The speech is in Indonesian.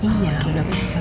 iya udah pesen